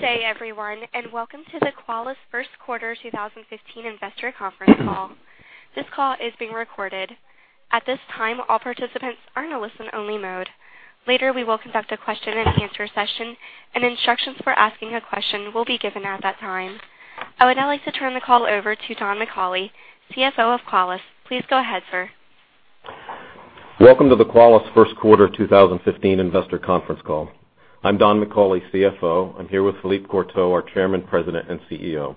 Good day, everyone, welcome to the Qualys first quarter 2015 investor conference call. This call is being recorded. At this time, all participants are in a listen-only mode. Later, we will conduct a question and answer session, instructions for asking a question will be given at that time. I would now like to turn the call over to Don McCauley, CFO of Qualys. Please go ahead, sir. Welcome to the Qualys first quarter 2015 investor conference call. I'm Don McCauley, CFO. I'm here with Philippe Courtot, our Chairman, President, and CEO.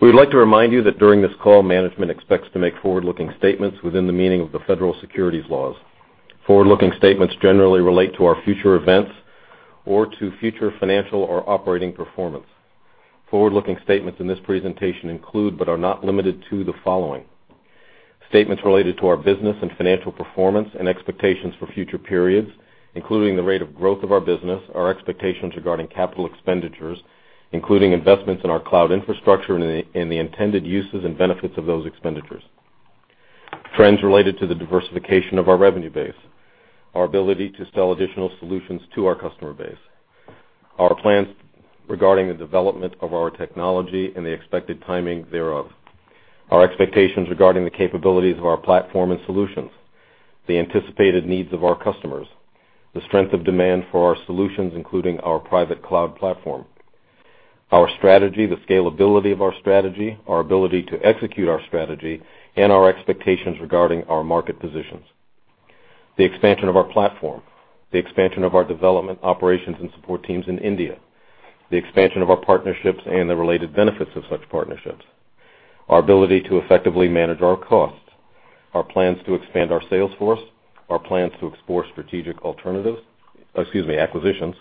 We'd like to remind you that during this call, management expects to make forward-looking statements within the meaning of the federal securities laws. Forward-looking statements generally relate to our future events or to future financial or operating performance. Forward-looking statements in this presentation include, are not limited to, the following. Statements related to our business and financial performance and expectations for future periods, including the rate of growth of our business, our expectations regarding capital expenditures, including investments in our cloud infrastructure and the intended uses and benefits of those expenditures. Trends related to the diversification of our revenue base. Our ability to sell additional solutions to our customer base. Our plans regarding the development of our technology and the expected timing thereof. Our expectations regarding the capabilities of our platform and solutions. The anticipated needs of our customers. The strength of demand for our solutions, including our Private Cloud Platform. Our strategy, the scalability of our strategy, our ability to execute our strategy, our expectations regarding our market positions. The expansion of our platform. The expansion of our development operations and support teams in India. The expansion of our partnerships and the related benefits of such partnerships. Our ability to effectively manage our costs. Our plans to expand our sales force. Our plans to explore acquisitions.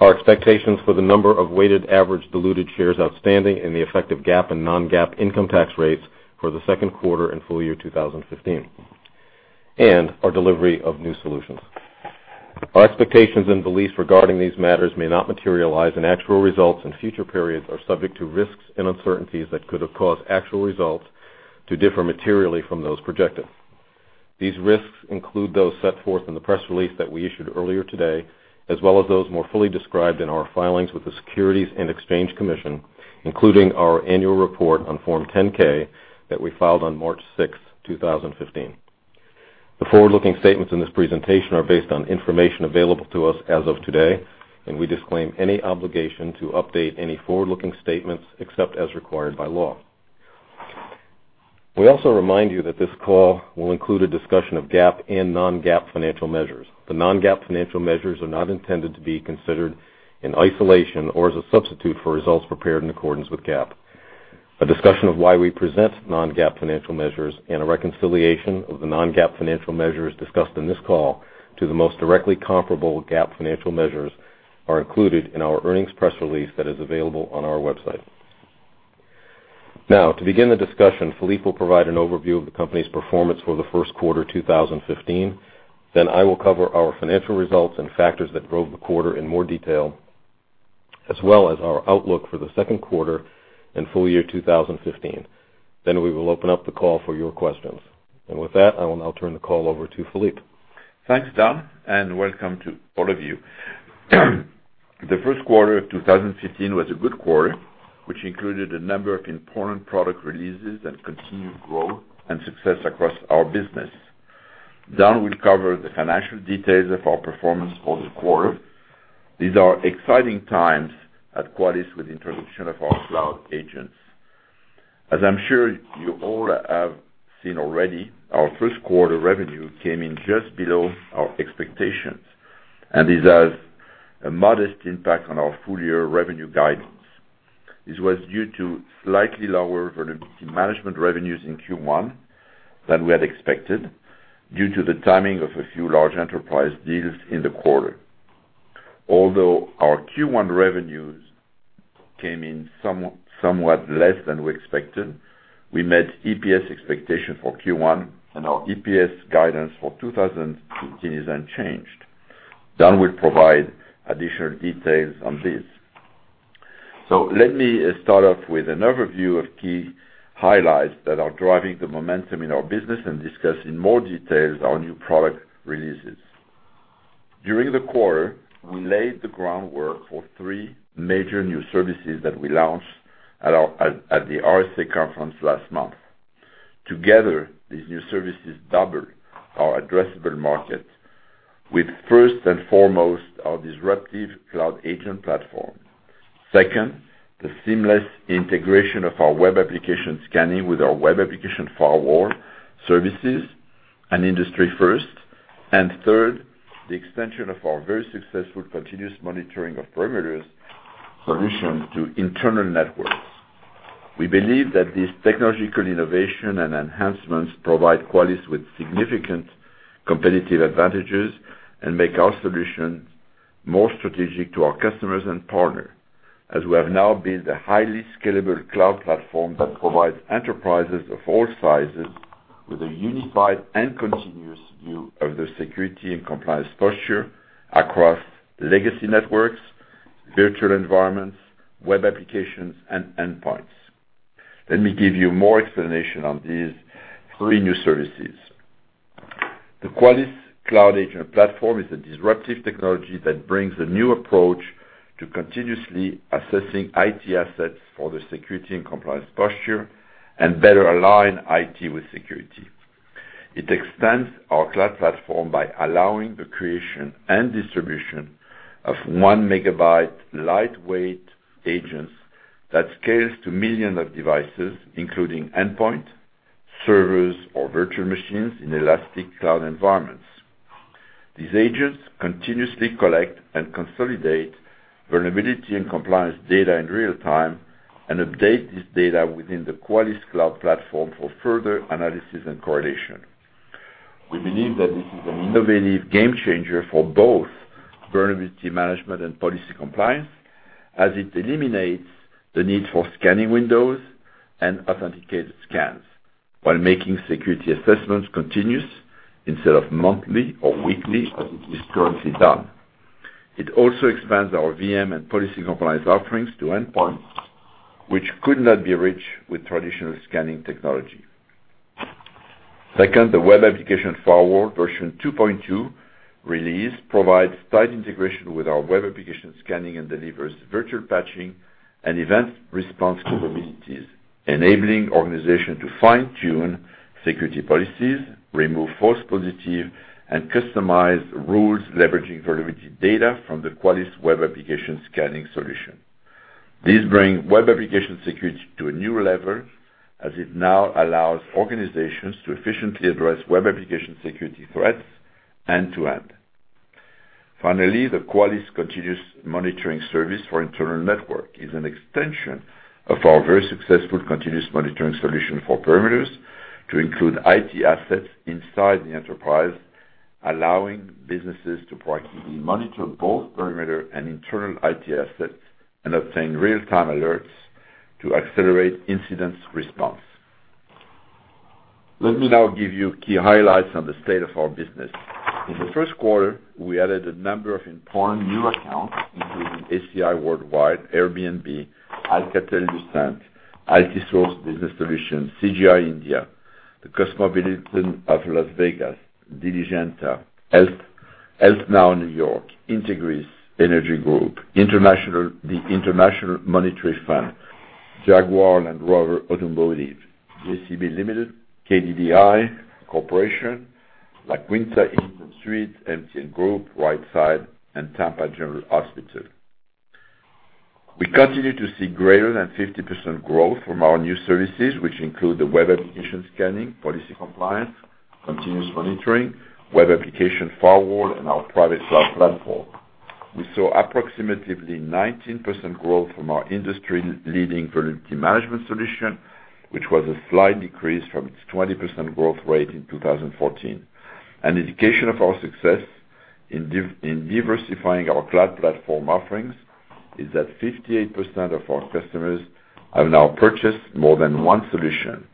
Our expectations for the number of weighted average diluted shares outstanding, the effective GAAP and non-GAAP income tax rates for the second quarter and full year 2015. Our delivery of new solutions. Our expectations and beliefs regarding these matters may not materialize, actual results in future periods are subject to risks and uncertainties that could have caused actual results to differ materially from those projected. These risks include those set forth in the press release that we issued earlier today, as well as those more fully described in our filings with the Securities and Exchange Commission, including our annual report on Form 10-K that we filed on March 6th, 2015. The forward-looking statements in this presentation are based on information available to us as of today, we disclaim any obligation to update any forward-looking statements except as required by law. We also remind you that this call will include a discussion of GAAP and non-GAAP financial measures. The non-GAAP financial measures are not intended to be considered in isolation or as a substitute for results prepared in accordance with GAAP. A discussion of why we present non-GAAP financial measures and a reconciliation of the non-GAAP financial measures discussed in this call to the most directly comparable GAAP financial measures are included in our earnings press release that is available on our website. To begin the discussion, Philippe will provide an overview of the company's performance for the first quarter 2015. I will cover our financial results and factors that drove the quarter in more detail, as well as our outlook for the second quarter and full year 2015. We will open up the call for your questions. With that, I will now turn the call over to Philippe. Thanks, Don, and welcome to all of you. The first quarter of 2015 was a good quarter, which included a number of important product releases that continued growth and success across our business. Don will cover the financial details of our performance for the quarter. These are exciting times at Qualys with the introduction of our Cloud Agents. As I'm sure you all have seen already, our first quarter revenue came in just below our expectations, and this has a modest impact on our full-year revenue guidance. This was due to slightly lower Vulnerability Management revenues in Q1 than we had expected due to the timing of a few large enterprise deals in the quarter. Although our Q1 revenues came in somewhat less than we expected, we met EPS expectations for Q1, and our EPS guidance for 2015 is unchanged. Don will provide additional details on this. Let me start off with an overview of key highlights that are driving the momentum in our business and discuss in more detail our new product releases. During the quarter, we laid the groundwork for three major new services that we launched at the RSA Conference last month. Together, these new services double our addressable market with, first and foremost, our disruptive Cloud Agent platform. Second, the seamless integration of our Web Application Scanning with our Web Application Firewall services, an industry first. Third, the extension of our very successful Continuous Monitoring of perimeter solution to internal networks. We believe that this technological innovation and enhancements provide Qualys with significant competitive advantages and make our solutions more strategic to our customers and partners, as we have now built a highly scalable cloud platform that provides enterprises of all sizes with a unified and continuous view of their security and compliance posture across legacy networks, virtual environments, web applications, and endpoints. Let me give you more explanation on these three new services. The Qualys Cloud Agent platform is a disruptive technology that brings a new approach to continuously assessing IT assets for their security and compliance posture, and better align IT with security. It extends our cloud platform by allowing the creation and distribution of one megabyte lightweight agents that scales to millions of devices, including endpoint, servers, or virtual machines in elastic cloud environments. These agents continuously collect and consolidate vulnerability and compliance data in real time and update this data within the Qualys Cloud Platform for further analysis and correlation. We believe that this is an innovative game changer for both Vulnerability Management and Policy Compliance, as it eliminates the need for scanning windows and authenticated scans while making security assessments continuous instead of monthly or weekly, as it is currently done. It also expands our VM and Policy Compliance offerings to endpoints, which could not be reached with traditional scanning technology. Second, the Web Application Firewall version 2.2 release provides tight integration with our Web Application Scanning and delivers virtual patching and event response capabilities, enabling organizations to fine-tune security policies, remove false positive, and customize rules leveraging vulnerability data from the Qualys Web Application Scanning solution. These bring web application security to a new level, as it now allows organizations to efficiently address web application security threats end to end. Finally, the Qualys Continuous Monitoring service for internal network is an extension of our very successful Continuous Monitoring solution for perimeters to include IT assets inside the enterprise, allowing businesses to proactively monitor both perimeter and internal IT assets and obtain real-time alerts to accelerate incident response. Let me now give you key highlights on the state of our business. In the first quarter, we added a number of important new accounts, including ACI Worldwide, Airbnb, Alcatel-Lucent, IT Source, CGI India, The Cosmopolitan of Las Vegas, Diligenta, HealthNow New York, Integrys Energy Group, the International Monetary Fund, Jaguar Land Rover Automotive, JCB Limited, KDDI Corporation, La Quinta Inn & Suites, MTN Group, Rightside, and Tampa General Hospital. We continue to see greater than 50% growth from our new services, which include the Web Application Scanning, Policy Compliance, Continuous Monitoring, Web Application Firewall, and our Private Cloud Platform. We saw approximately 19% growth from our industry-leading Vulnerability Management solution, which was a slight decrease from its 20% growth rate in 2014. An indication of our success in diversifying our Cloud Platform offerings is that 58% of our customers have now purchased more than one solution.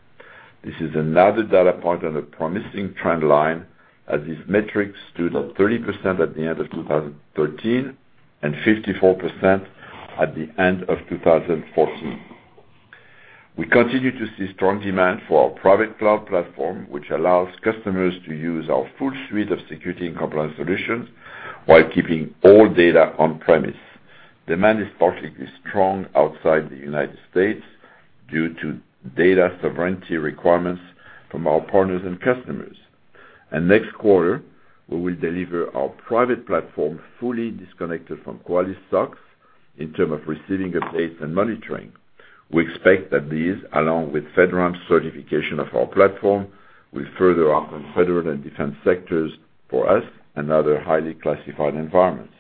This is another data point and a promising trend line, as these metrics stood at 30% at the end of 2013 and 54% at the end of 2014. We continue to see strong demand for our Private Cloud Platform, which allows customers to use our full suite of security and compliance solutions while keeping all data on premise. Demand is particularly strong outside the U.S. due to data sovereignty requirements from our partners and customers. Next quarter, we will deliver our private platform fully disconnected from Qualys SOCs in terms of receiving updates and monitoring. We expect that these, along with FedRAMP certification of our platform, will further our federal and defense sectors for us and other highly classified environments.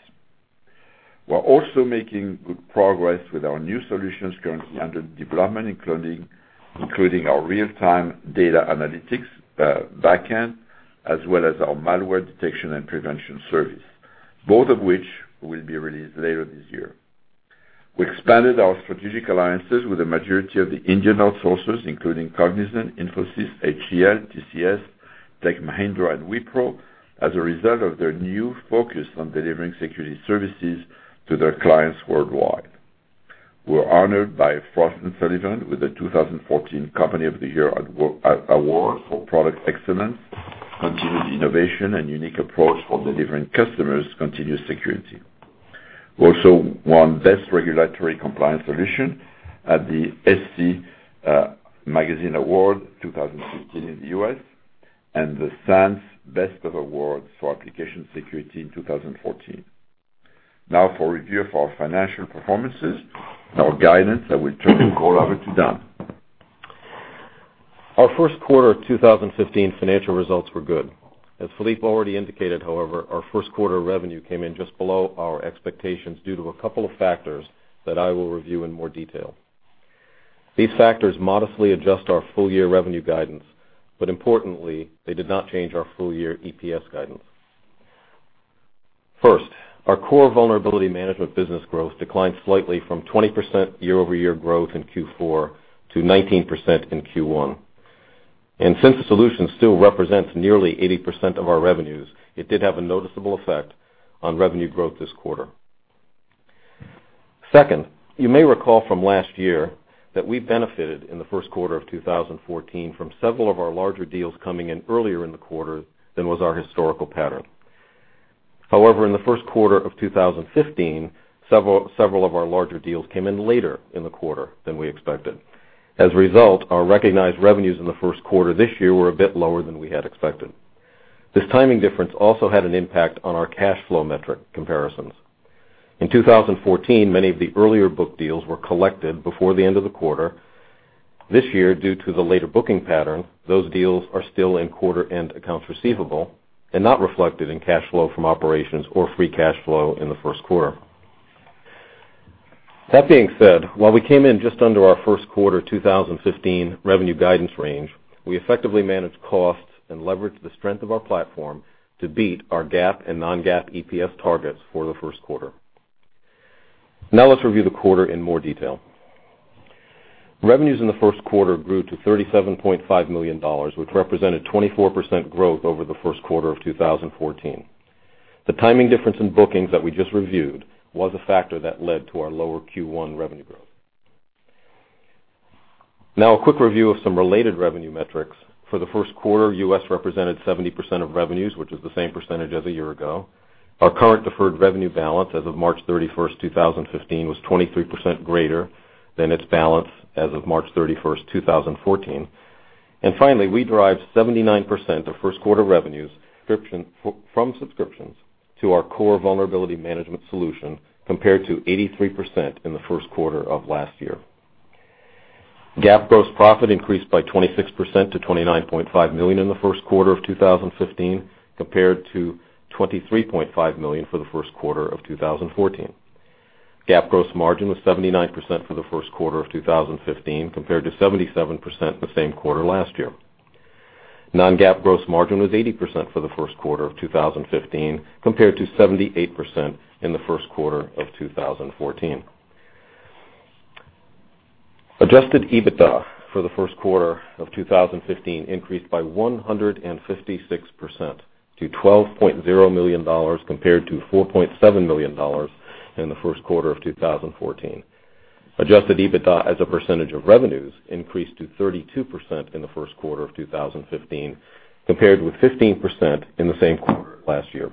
We are also making good progress with our new solutions currently under development, including our real-time data analytics backend, as well as our malware detection and prevention service, both of which will be released later this year. We expanded our strategic alliances with the majority of the Indian outsourcers, including Cognizant, Infosys, HCL, TCS, Tech Mahindra, and Wipro, as a result of their new focus on delivering security services to their clients worldwide. We were honored by Frost & Sullivan with the 2014 Company of the Year award for product excellence, continued innovation, and unique approach for delivering customers continuous security. We also won Best Regulatory Compliance Solution at the SC Magazine Award 2015 in the U.S. and the SANS Best of Awards for Application Security in 2014. Now for review of our financial performances and our guidance, I will turn the call over to Don. Our first quarter of 2015 financial results were good. As Philippe already indicated, however, our first quarter revenue came in just below our expectations due to a couple of factors that I will review in more detail. These factors modestly adjust our full-year revenue guidance, but importantly, they did not change our full-year EPS guidance. First, our core Vulnerability Management business growth declined slightly from 20% year-over-year growth in Q4 to 19% in Q1. Since the solution still represents nearly 80% of our revenues, it did have a noticeable effect on revenue growth this quarter. However, in the first quarter of 2015, several of our larger deals came in later in the quarter than we expected. As a result, our recognized revenues in the first quarter this year were a bit lower than we had expected. This timing difference also had an impact on our cash flow metric comparisons. In 2014, many of the earlier book deals were collected before the end of the quarter. This year, due to the later booking pattern, those deals are still in quarter-end accounts receivable and not reflected in cash flow from operations or free cash flow in the first quarter. That being said, while we came in just under our first quarter 2015 revenue guidance range, we effectively managed costs and leveraged the strength of our platform to beat our GAAP and non-GAAP EPS targets for the first quarter. Now let's review the quarter in more detail. Revenues in the first quarter grew to $37.5 million, which represented 24% growth over the first quarter of 2014. The timing difference in bookings that we just reviewed was a factor that led to our lower Q1 revenue growth. Now a quick review of some related revenue metrics. For the first quarter, U.S. represented 70% of revenues, which is the same percentage as a year ago. Our current deferred revenue balance as of March 31st, 2015, was 23% greater than its balance as of March 31st, 2014. Finally, we derived 79% of first-quarter revenues from subscriptions to our core Vulnerability Management solution, compared to 83% in the first quarter of last year. GAAP gross profit increased by 26% to $29.5 million in the first quarter of 2015, compared to $23.5 million for the first quarter of 2014. GAAP gross margin was 79% for the first quarter of 2015, compared to 77% the same quarter last year. Non-GAAP gross margin was 80% for the first quarter of 2015, compared to 78% in the first quarter of 2014. Adjusted EBITDA for the first quarter of 2015 increased by 156% to $12.0 million, compared to $4.7 million in the first quarter of 2014. Adjusted EBITDA as a percentage of revenues increased to 32% in the first quarter of 2015, compared with 15% in the same quarter last year.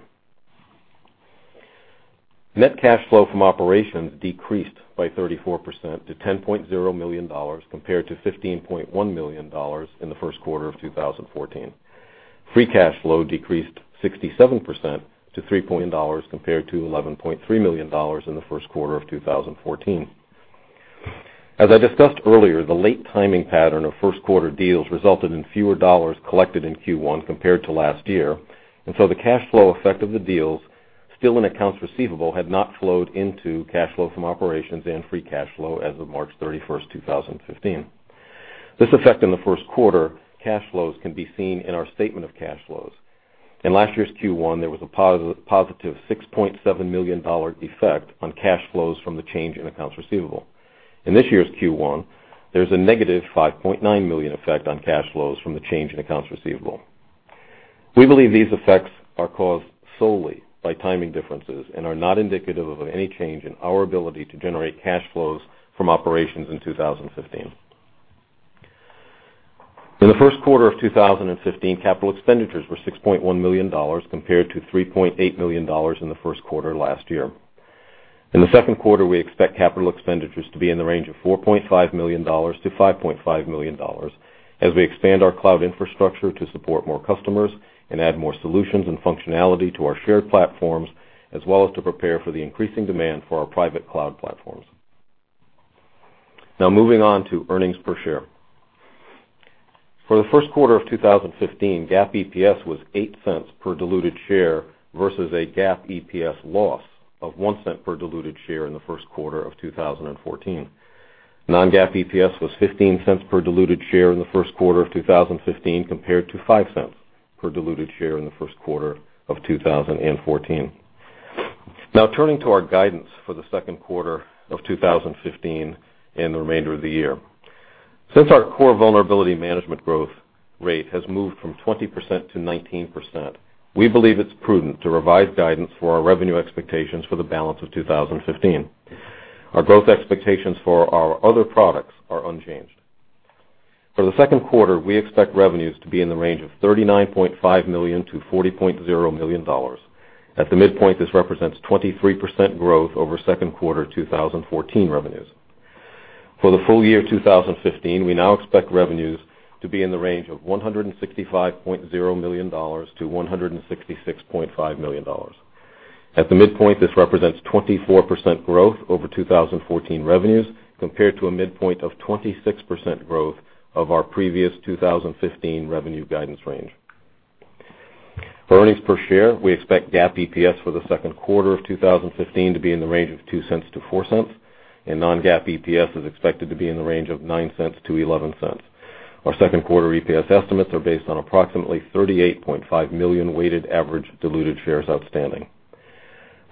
Net cash flow from operations decreased by 34% to $10.0 million, compared to $15.1 million in the first quarter of 2014. Free cash flow decreased 67% to $3.0 million, compared to $11.3 million in the first quarter of 2014. As I discussed earlier, the late timing pattern of first-quarter deals resulted in fewer dollars collected in Q1 compared to last year. The cash flow effect of the deals still in accounts receivable had not flowed into cash flow from operations and free cash flow as of March 31st, 2015. This effect in the first quarter, cash flows can be seen in our statement of cash flows. In last year's Q1, there was a positive $6.7 million effect on cash flows from the change in accounts receivable. In this year's Q1, there's a negative $5.9 million effect on cash flows from the change in accounts receivable. We believe these effects are caused solely by timing differences and are not indicative of any change in our ability to generate cash flows from operations in 2015. In the first quarter of 2015, capital expenditures were $6.1 million, compared to $3.8 million in the first quarter last year. In the second quarter, we expect capital expenditures to be in the range of $4.5 million-$5.5 million as we expand our cloud infrastructure to support more customers and add more solutions and functionality to our shared platforms, as well as to prepare for the increasing demand for our Private Cloud Platforms. Now moving on to earnings per share. For the first quarter of 2015, GAAP EPS was $0.08 per diluted share versus a GAAP EPS loss of $0.01 per diluted share in the first quarter of 2014. Non-GAAP EPS was $0.15 per diluted share in the first quarter of 2015, compared to $0.05 per diluted share in the first quarter of 2014. Now turning to our guidance for the second quarter of 2015 and the remainder of the year. Since our core Vulnerability Management growth rate has moved from 20%-19%, we believe it's prudent to revise guidance for our revenue expectations for the balance of 2015. Our growth expectations for our other products are unchanged. For the second quarter, we expect revenues to be in the range of $39.5 million-$40.0 million. At the midpoint, this represents 23% growth over second quarter 2014 revenues. For the full year 2015, we now expect revenues to be in the range of $165.0 million-$166.5 million. At the midpoint, this represents 24% growth over 2014 revenues, compared to a midpoint of 26% growth of our previous 2015 revenue guidance range. For earnings per share, we expect GAAP EPS for the second quarter of 2015 to be in the range of $0.02-$0.04. Non-GAAP EPS is expected to be in the range of $0.09-$0.11. Our second quarter EPS estimates are based on approximately 38.5 million weighted average diluted shares outstanding.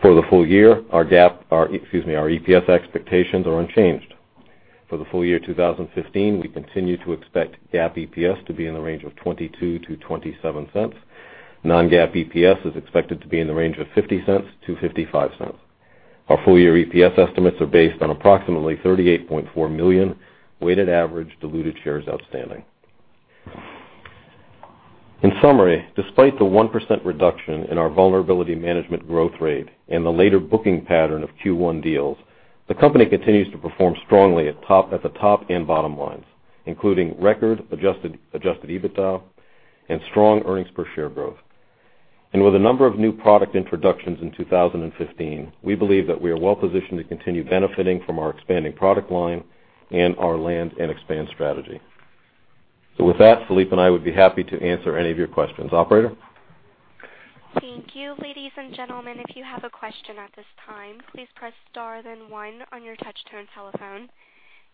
For the full year, our EPS expectations are unchanged. For the full year 2015, we continue to expect GAAP EPS to be in the range of $0.22-$0.27. Non-GAAP EPS is expected to be in the range of $0.50-$0.55. Our full-year EPS estimates are based on approximately 38.4 million weighted average diluted shares outstanding. In summary, despite the 1% reduction in our Vulnerability Management growth rate and the later booking pattern of Q1 deals, the company continues to perform strongly at the top and bottom lines, including record adjusted EBITDA and strong earnings per share growth. With a number of new product introductions in 2015, we believe that we are well-positioned to continue benefiting from our expanding product line and our land and expand strategy. With that, Philippe and I would be happy to answer any of your questions. Operator? Thank you. Ladies and gentlemen, if you have a question at this time, please press star then one on your touch-tone telephone.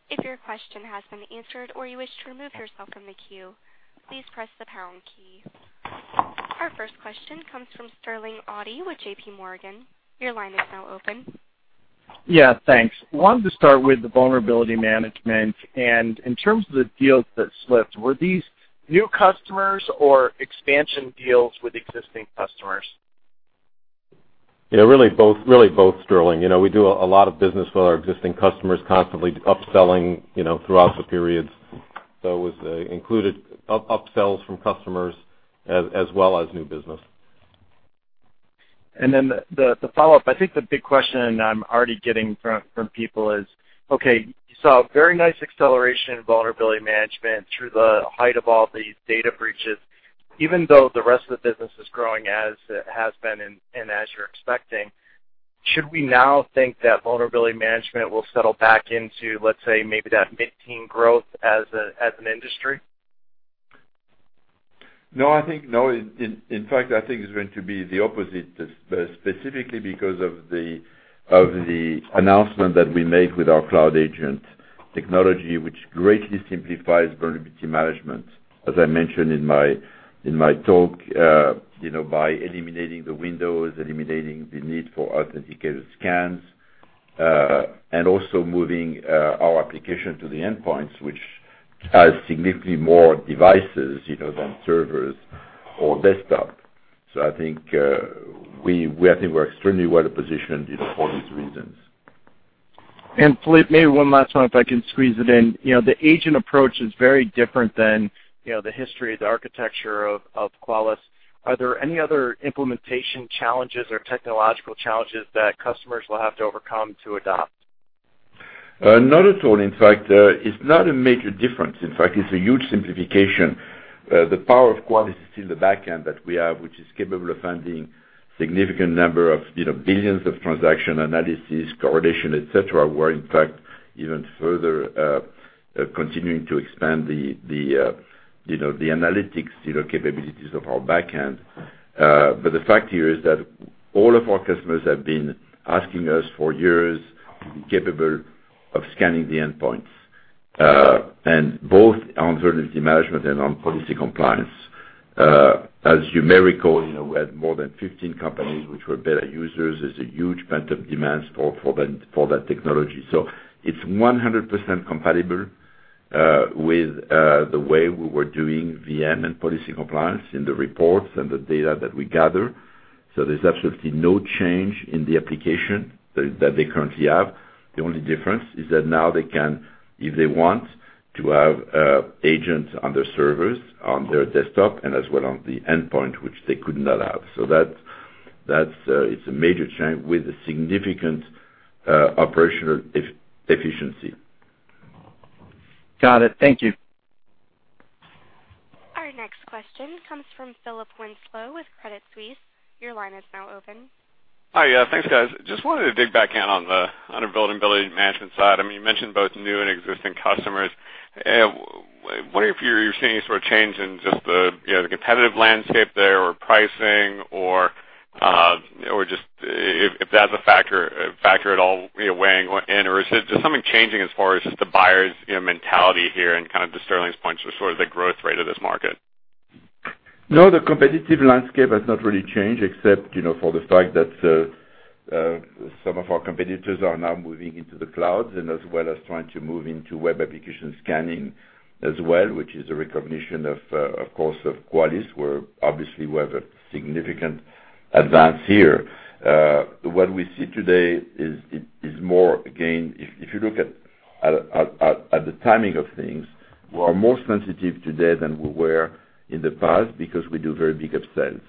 If your question has been answered or you wish to remove yourself from the queue, please press the pound key. Our first question comes from Sterling Auty with J.P. Morgan. Your line is now open. Thanks. Wanted to start with the Vulnerability Management. In terms of the deals that slipped, were these new customers or expansion deals with existing customers? Yeah, really both, Sterling. We do a lot of business with our existing customers, constantly upselling, throughout the periods. It was included upsells from customers as well as new business. The follow-up, I think the big question I'm already getting from people is, okay, you saw a very nice acceleration in Vulnerability Management through the height of all these data breaches, even though the rest of the business is growing as it has been and as you're expecting, should we now think that Vulnerability Management will settle back into, let's say, maybe that mid-teen growth as an industry? No, in fact, I think it's going to be the opposite, specifically because of the announcement that we made with our cloud agent technology, which greatly simplifies Vulnerability Management, as I mentioned in my talk, by eliminating the windows, eliminating the need for authenticated scans, and also moving our application to the endpoints, which has significantly more devices than servers or desktop. I think we're extremely well-positioned for these reasons. Philippe, maybe one last one if I can squeeze it in. The agent approach is very different than the history, the architecture of Qualys. Are there any other implementation challenges or technological challenges that customers will have to overcome to adopt? Not at all. In fact, it's not a major difference. In fact, it's a huge simplification. The power of Qualys is still the back end that we have, which is capable of finding significant number of billions of transaction analysis, correlation, et cetera. We're in fact, even further continuing to expand the analytics capabilities of our back end. The fact here is that all of our customers have been asking us for years to be capable of scanning the endpoints, and both on Vulnerability Management and on Policy Compliance. As you may recall, we had more than 15 companies which were beta users. There's a huge pent-up demand for that technology. It's 100% compatible with the way we were doing VM and Policy Compliance in the reports and the data that we gather, so there's absolutely no change in the application that they currently have. The only difference is that now they can, if they want to have agents on their servers, on their desktop, and as well on the endpoint, which they could not have. That's a major change with a significant operational efficiency. Got it. Thank you. Our next question comes from Philip Winslow with Credit Suisse. Your line is now open. Hi. Yeah, thanks, guys. Just wanted to dig back in on the Vulnerability Management side. You mentioned both new and existing customers. Wondering if you're seeing any sort of change in just the competitive landscape there or pricing or if that's a factor at all weighing in, or is something changing as far as the buyer's mentality here and kind of to Sterling's point, just sort of the growth rate of this market? No, the competitive landscape has not really changed except for the fact that some of our competitors are now moving into the cloud and as well as trying to move into web application scanning as well, which is a recognition, of course, of Qualys, where obviously we have a significant advance here. What we see today is more, again, if you look at the timing of things, we are more sensitive today than we were in the past because we do very big upsells.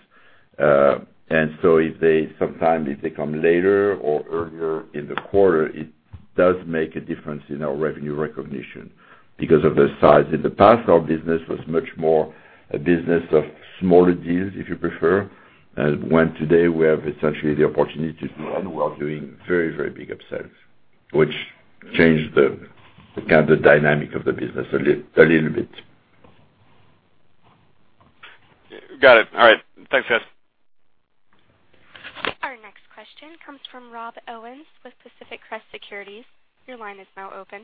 Sometimes if they come later or earlier in the quarter, it does make a difference in our revenue recognition because of the size. In the past, our business was much more a business of smaller deals, if you prefer. When today we have essentially the opportunity to run, we are doing very, very big upsells, which change the dynamic of the business a little bit. Got it. All right. Thanks, guys. Our next question comes from Rob Owens with Pacific Crest Securities. Your line is now open.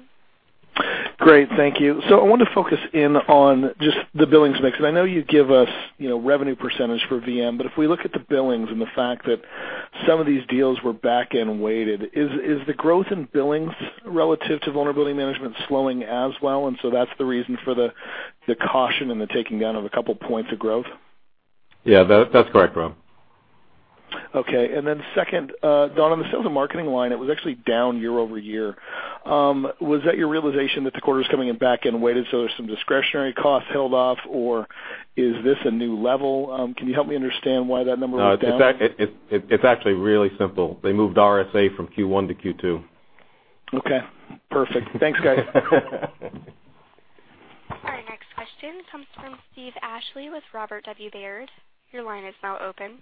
Great. Thank you. I want to focus in on just the billings mix. I know you give us revenue percentage for VM, if we look at the billings and the fact that some of these deals were back-end weighted. Is the growth in billings relative to Vulnerability Management slowing as well, that's the reason for the caution and the taking down of a couple points of growth? Yeah, that's correct, Rob. Okay. Second, Don, on the sales and marketing line, it was actually down year-over-year. Was that your realization that the quarter was coming in back-end weighted, there's some discretionary costs held off, or is this a new level? Can you help me understand why that number went down? It's actually really simple. They moved RSA from Q1 to Q2. Okay, perfect. Thanks, guys. Our next question comes from Steve Ashley with Robert W. Baird. Your line is now open.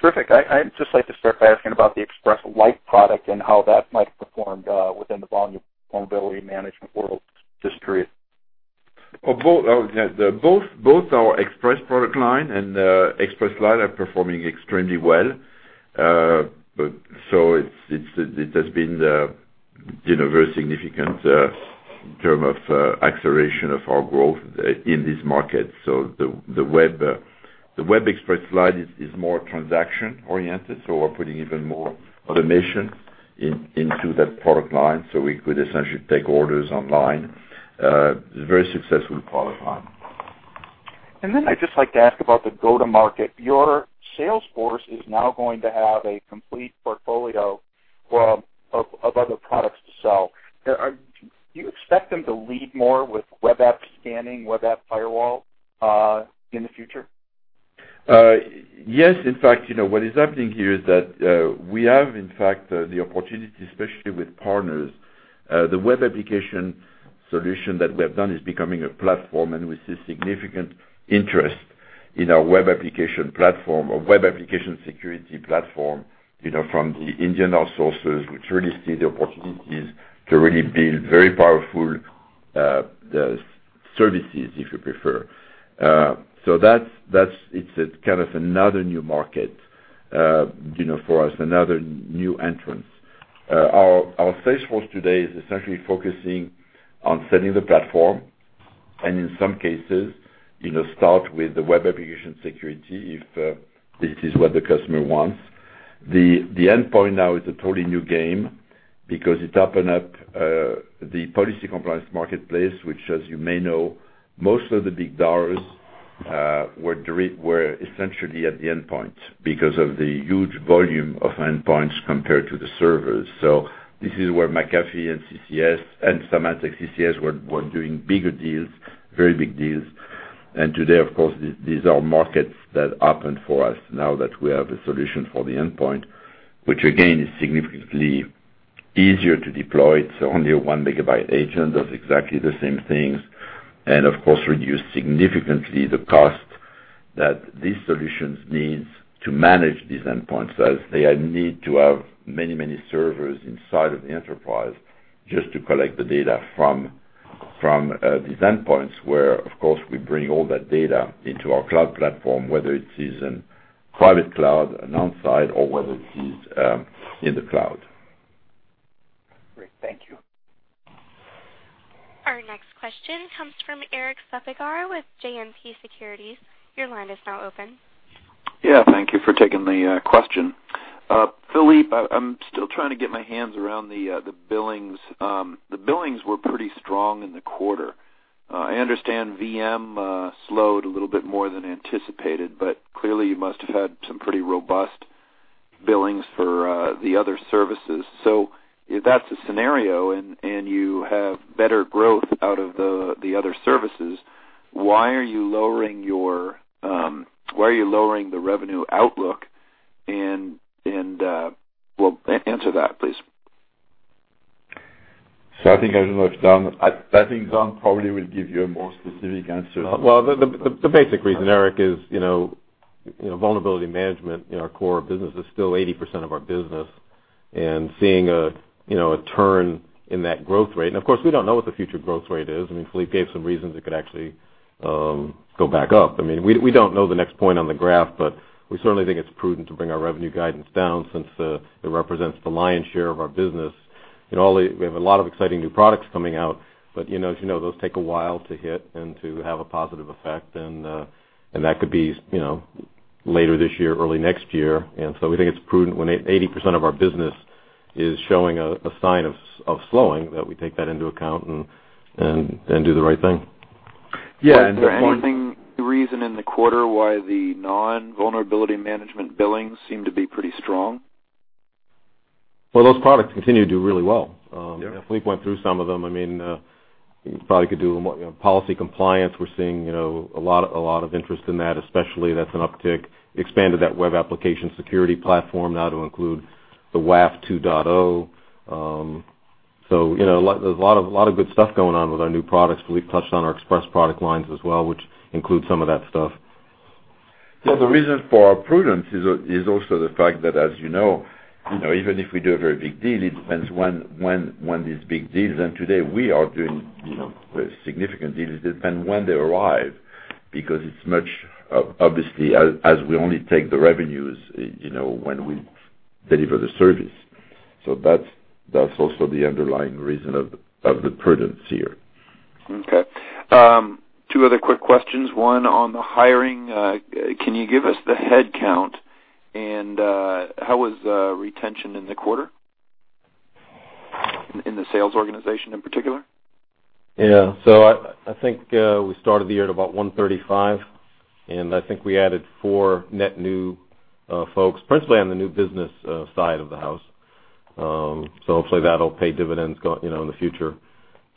Terrific. I'd just like to start by asking about the Express Lite product and how that might have performed within the volume Vulnerability Management world this period. Both our Express product line and the Express Lite are performing extremely well. It has been very significant, in terms of acceleration of our growth in this market. The Web Express Lite is more transaction oriented, so we're putting even more automation into that product line so we could essentially take orders online. Very successful product line. I'd just like to ask about the go-to-market. Your sales force is now going to have a complete portfolio of other products to sell. Do you expect them to lead more with Web Application Scanning, Web Application Firewall, in the future? Yes. In fact, what is happening here is that we have, in fact, the opportunity, especially with partners. The Web Application solution that we have done is becoming a platform, and we see significant interest in our Web Application platform or Web Application Security platform from the Indian outsourcers, which really see the opportunities to really build very powerful services, if you prefer. It's kind of another new market for us, another new entrance. Our sales force today is essentially focusing on selling the platform and in some cases, start with the Web Application Security if this is what the customer wants. The endpoint now is a totally new game because it opens up the Policy Compliance marketplace, which, as you may know, most of the big dollars were essentially at the endpoint because of the huge volume of endpoints compared to the servers. This is where McAfee and CCS and Symantec CCS were doing bigger deals, very big deals. Today, of course, these are markets that open for us now that we have a solution for the endpoint. Which again, is significantly easier to deploy. It's only a 1 megabyte agent, does exactly the same things, and of course, reduces significantly the cost that these solutions need to manage these endpoints, as they need to have many servers inside of the enterprise just to collect the data from these endpoints where, of course, we bring all that data into our cloud platform, whether it is in private cloud and outside or whether it is in the cloud. Great. Thank you. Our next question comes from Erik Suppiger with JMP Securities. Your line is now open. Thank you for taking the question. Philippe, I am still trying to get my hands around the billings. The billings were pretty strong in the quarter. I understand VM slowed a little bit more than anticipated, but clearly you must have had some pretty robust billings for the other services. If that's the scenario and you have better growth out of the other services, why are you lowering the revenue outlook? Well, answer that, please. I think Don probably will give you a more specific answer. Well, the basic reason, Erik, is Vulnerability Management in our core business is still 80% of our business and seeing a turn in that growth rate. Of course, we don't know what the future growth rate is. Philippe gave some reasons it could actually go back up. We don't know the next point on the graph, we certainly think it's prudent to bring our revenue guidance down since it represents the lion's share of our business. We have a lot of exciting new products coming out, but as you know, those take a while to hit and to have a positive effect and that could be later this year, early next year. We think it's prudent when 80% of our business is showing a sign of slowing, that we take that into account and do the right thing. Yeah. Anything, the reason in the quarter why the non-Vulnerability Management billings seem to be pretty strong? Well, those products continue to do really well. Yeah. Philippe went through some of them. Policy Compliance, we're seeing a lot of interest in that especially. That's an uptick. Expanded that web application security platform now to include the WAF 2.0. There's a lot of good stuff going on with our new products. Philippe touched on our Express product lines as well, which includes some of that stuff. The reason for our prudence is also the fact that, as you know, even if we do a very big deal, it depends when these big deals, and today we are doing significant deals. It depends when they arrive because it's much, obviously, as we only take the revenues when we deliver the service. That's also the underlying reason of the prudence here. Okay. Two other quick questions. One on the hiring. Can you give us the headcount, and how was retention in the quarter in the sales organization in particular? Yeah. I think we started the year at about 135, and I think we added four net new folks, principally on the new business side of the house. Hopefully that'll pay dividends in the future.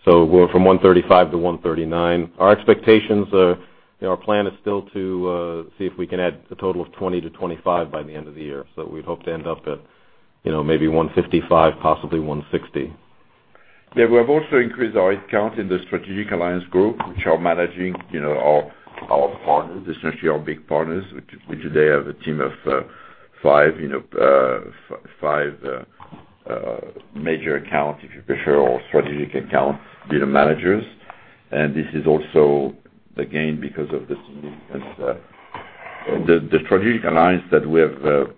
We're from 135 to 139. Our plan is still to see if we can add a total of 20-25 by the end of the year. We'd hope to end up at maybe 155, possibly 160. Yeah. We have also increased our headcount in the strategic alliance group, which are managing our partners, essentially our big partners. We today have a team of five major accounts, if you prefer, or strategic accounts, dealer managers. This is also, again, because of the significance the strategic alliance that we have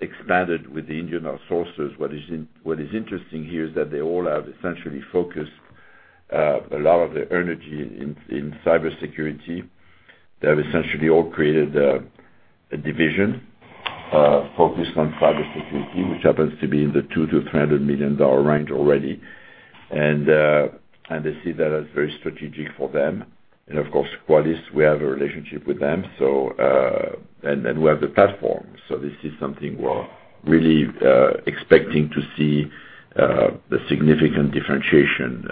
expanded with the Indian outsourcers. What is interesting here is that they all have essentially focused a lot of their energy in cybersecurity. They have essentially all created a division focused on cybersecurity, which happens to be in the $200 million-$300 million range already. They see that as very strategic for them. Of course, Qualys, we have a relationship with them, and we have the platform. This is something we're really expecting to see the significant differentiation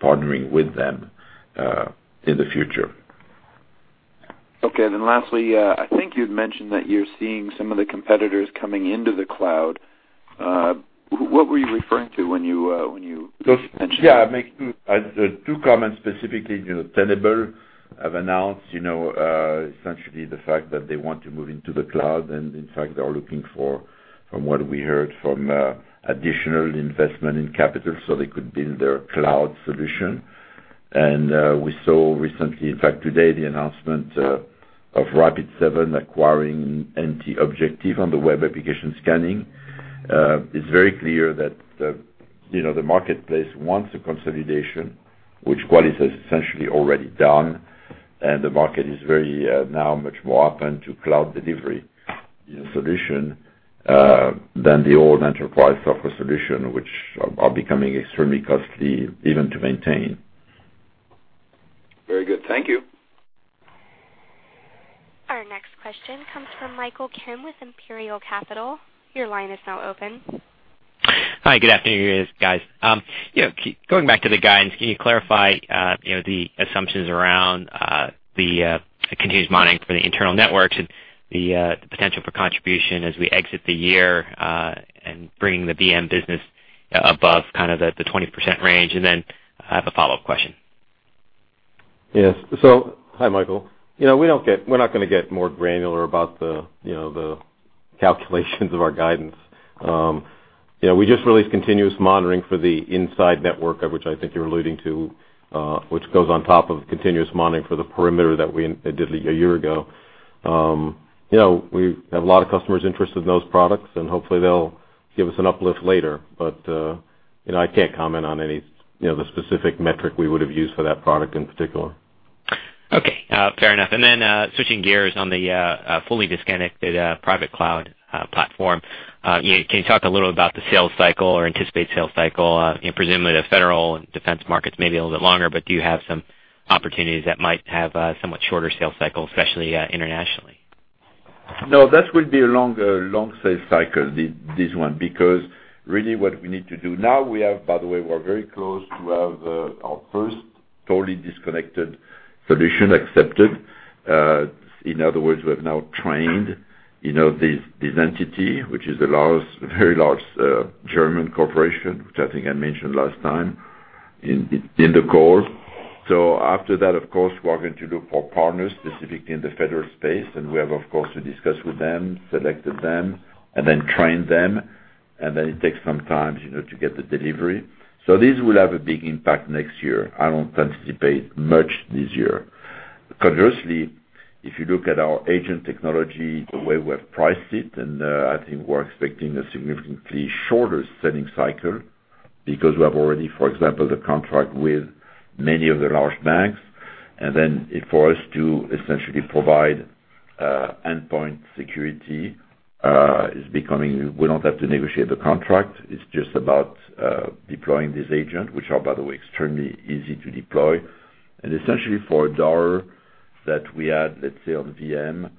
partnering with them in the future. Okay, lastly, I think you'd mentioned that you're seeing some of the competitors coming into the cloud. What were you referring to when you mentioned that? Yeah, I make two comments, specifically, Tenable have announced essentially the fact that they want to move into the cloud, and in fact, they are looking for, from what we heard, from additional investment in capital so they could build their cloud solution. We saw recently, in fact, today, the announcement of Rapid7 acquiring NT OBJECTives on the web application scanning. It's very clear that the marketplace wants a consolidation, which Qualys has essentially already done, and the market is very now much more open to cloud delivery solution than the old enterprise software solution, which are becoming extremely costly even to maintain. Very good. Thank you. Our next question comes from Michael Kim with Imperial Capital. Your line is now open. Hi, good afternoon, guys. Going back to the guidance, can you clarify the assumptions around the Continuous Monitoring for the internal networks and the potential for contribution as we exit the year and bringing the VM business above the 20% range? I have a follow-up question. Yes. Hi, Michael. We're not going to get more granular about the calculations of our guidance. We just released Continuous Monitoring for the inside network, which I think you're alluding to, which goes on top of Continuous Monitoring for the perimeter that we did a year ago. We have a lot of customers interested in those products, hopefully they'll give us an uplift later. I can't comment on any of the specific metric we would have used for that product in particular. Okay. Fair enough. Switching gears on the fully disconnected Private Cloud Platform, can you talk a little about the sales cycle or anticipate sales cycle? Presumably, the federal and defense markets may be a little bit longer, do you have some opportunities that might have a somewhat shorter sales cycle, especially internationally? No, that will be a long sales cycle, this one, because really what we need to do now we have, by the way, we're very close to have our first totally disconnected solution accepted. In other words, we have now trained this entity, which is a very large German corporation, which I think I mentioned last time in the call. After that, of course, we're going to look for partners, specifically in the federal space. We have, of course, to discuss with them, selected them, and then train them, and then it takes some time to get the delivery. This will have a big impact next year. I don't anticipate much this year. Conversely, if you look at our agent technology, the way we have priced it, I think we're expecting a significantly shorter selling cycle because we have already, for example, the contract with many of the large banks. For us to essentially provide endpoint security, we don't have to negotiate the contract. It's just about deploying this agent, which are, by the way, extremely easy to deploy. Essentially for $1 that we add, let's say on VM,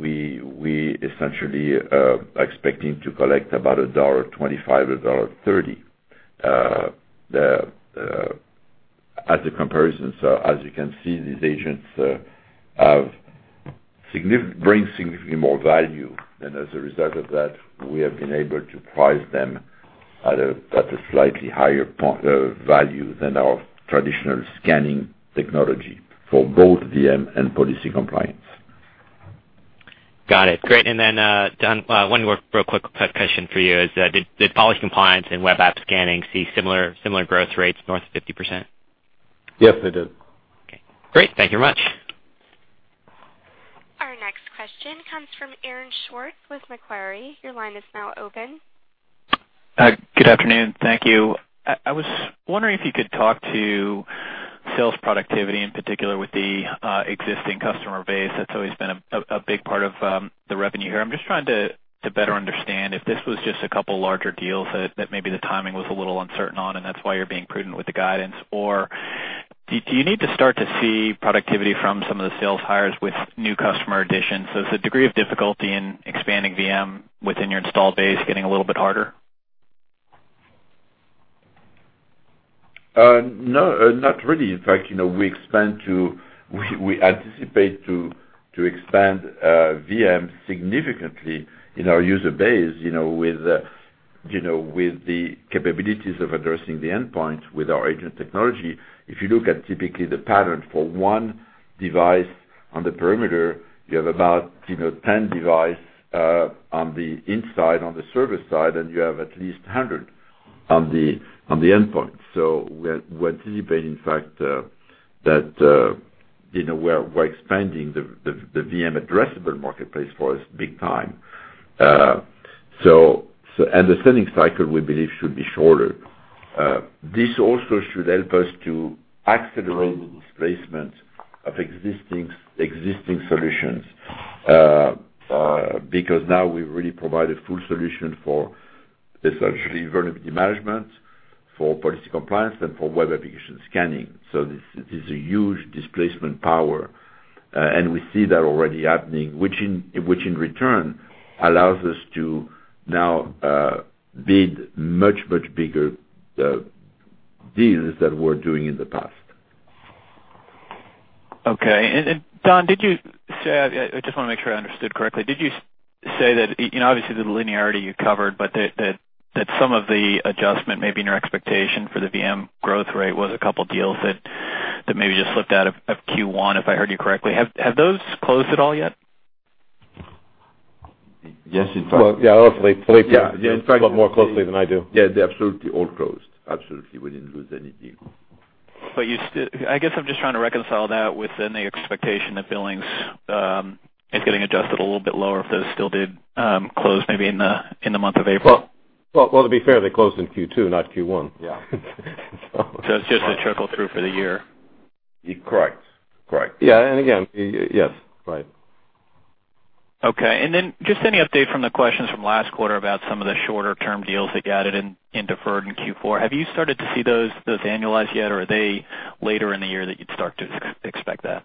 we essentially are expecting to collect about $1.25, $1.30 as a comparison. As you can see, these agents bring significantly more value. As a result of that, we have been able to price them at a slightly higher value than our traditional scanning technology for both VM and Policy Compliance. Got it. Great. Then, Don, one more real quick question for you is, did Policy Compliance and Web Application Scanning see similar growth rates north of 50%? Yes, they did. Okay. Great. Thank you very much. comes from Aaron Schwartz with Macquarie. Your line is now open. Good afternoon. Thank you. I was wondering if you could talk to sales productivity, in particular with the existing customer base. That's always been a big part of the revenue here. I'm just trying to better understand if this was just a couple larger deals that maybe the timing was a little uncertain on, and that's why you're being prudent with the guidance. Do you need to start to see productivity from some of the sales hires with new customer additions? Is the degree of difficulty in expanding VM within your installed base getting a little bit harder? No, not really. In fact, we anticipate to expand VM significantly in our user base, with the capabilities of addressing the endpoint with our agent technology. If you look at typically the pattern for one device on the perimeter, you have about 10 device on the inside, on the service side, and you have at least 100 on the endpoint. We anticipate, in fact, that we're expanding the VM addressable marketplace for us big time. The selling cycle, we believe should be shorter. This also should help us to accelerate the displacement of existing solutions, because now we've really provided full solution for essentially Vulnerability Management, for Policy Compliance, and for Web Application Scanning. This is a huge displacement power, and we see that already happening, which in return allows us to now bid much, much bigger deals than we were doing in the past. Okay. Don, I just want to make sure I understood correctly. Did you say that, obviously the linearity you covered, but that some of the adjustment maybe in your expectation for the VM growth rate was a couple deals that maybe just slipped out of Q1, if I heard you correctly. Have those closed at all yet? Yes. Well, yeah. Hopefully Philippe knows a lot more closely than I do. Yeah. They absolutely all closed. Absolutely, we didn't lose any deal. I guess I'm just trying to reconcile that within the expectation that billings is getting adjusted a little bit lower, if those still did close maybe in the month of April. Well, to be fair, they closed in Q2, not Q1. Yeah. It's just a trickle through for the year. Correct. Yeah. Again, yes, right. Okay. Just any update from the questions from last quarter about some of the shorter-term deals that you added in deferred in Q4. Have you started to see those annualized yet, or are they later in the year that you'd start to expect that?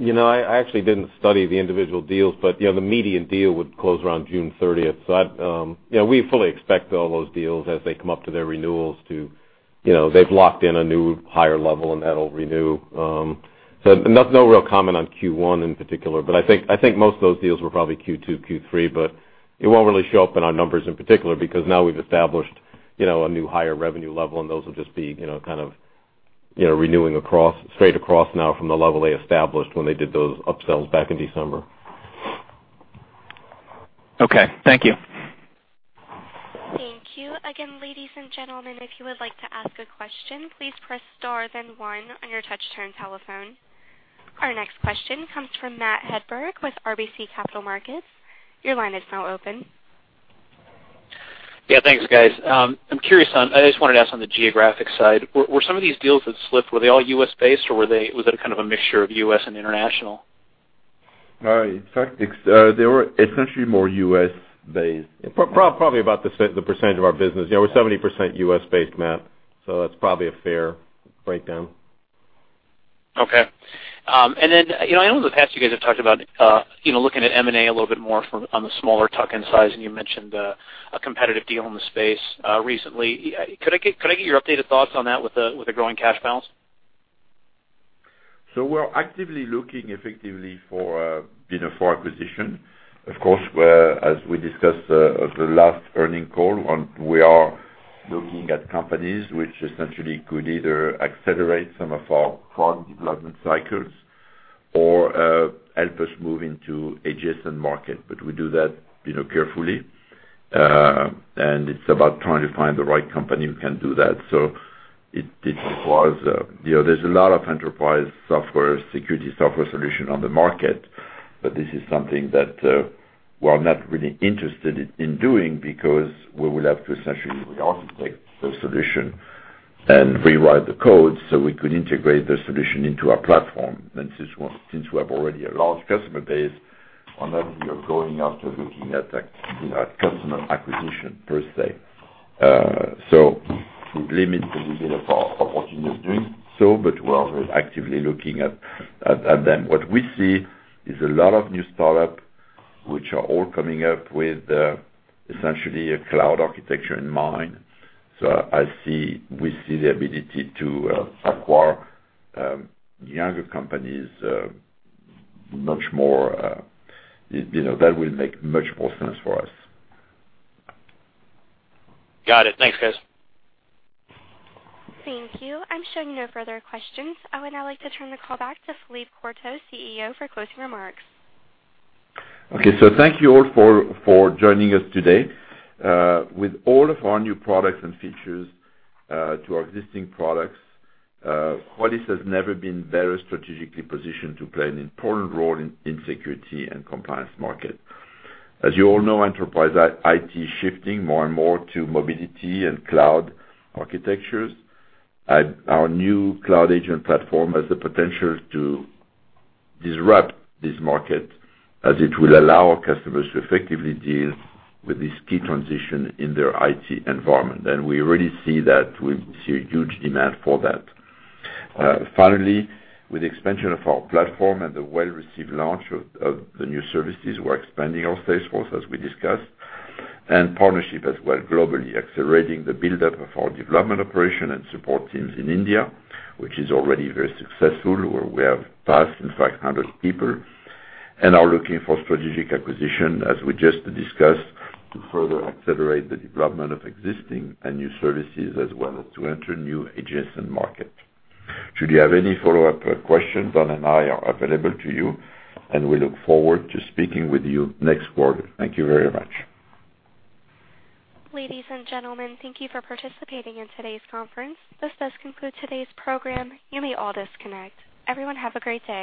I actually didn't study the individual deals, but the median deal would close around June 30th. We fully expect all those deals as they come up to their renewals, they've locked in a new higher level, and that'll renew. No real comment on Q1 in particular. I think most of those deals were probably Q2, Q3. It won't really show up in our numbers in particular because now we've established a new higher revenue level and those will just be renewing straight across now from the level they established when they did those upsells back in December. Okay, thank you. Thank you. Again, ladies and gentlemen, if you would like to ask a question, please press star then one on your touch tone telephone. Our next question comes from Matt Hedberg with RBC Capital Markets. Your line is now open. Yeah, thanks, guys. I just wanted to ask on the geographic side. Were some of these deals that slipped, were they all U.S.-based or was it a kind of a mixture of U.S. and international? In fact, they were essentially more U.S.-based. Probably about the percentage of our business. We're 70% U.S.-based, Matt, that's probably a fair breakdown. Okay. I know in the past you guys have talked about looking at M&A a little bit more from on the smaller tuck-in size, and you mentioned a competitive deal in the space recently. Could I get your updated thoughts on that with the growing cash balance? We're actively looking effectively for acquisition. Of course, as we discussed the last earning call, we are looking at companies which essentially could either accelerate some of our product development cycles or help us move into adjacent market. We do that carefully. It's about trying to find the right company who can do that. There's a lot of enterprise security software solution on the market. This is something that we're not really interested in doing because we will have to essentially re-architect the solution and rewrite the code so we could integrate the solution into our platform. Since we have already a large customer base, and then we are going after looking at customer acquisition per se. We limit a little bit of our opportunities doing so, but we are actively looking at them. What we see is a lot of new startup, which are all coming up with essentially a cloud architecture in mind. We see the ability to acquire younger companies much more. That will make much more sense for us. Got it. Thanks, guys. Thank you. I'm showing no further questions. I would now like to turn the call back to Philippe Courtot, CEO, for closing remarks. Thank you all for joining us today. With all of our new products and features to our existing products, Qualys has never been very strategically positioned to play an important role in security and compliance market. As you all know, enterprise IT is shifting more and more to mobility and cloud architectures. Our new cloud agent platform has the potential to disrupt this market as it will allow our customers to effectively deal with this key transition in their IT environment. We already see that. We see a huge demand for that. With the expansion of our platform and the well-received launch of the new services, we're expanding our sales force as we discussed, and partnership as well globally, accelerating the buildup of our development operation and support teams in India, which is already very successful, where we have passed, in fact, 100 people, and are looking for strategic acquisition, as we just discussed, to further accelerate the development of existing and new services as well as to enter new adjacent market. Should you have any follow-up questions, Don and I are available to you, and we look forward to speaking with you next quarter. Thank you very much. Ladies and gentlemen, thank you for participating in today's conference. This does conclude today's program. You may all disconnect. Everyone have a great day.